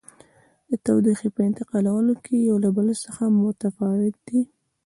د تودوخې په انتقالولو کې یو له بل څخه متفاوت دي.